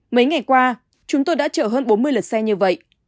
mấy ngày qua chúng tôi đã chở hơn bốn mươi lượt xe như vậy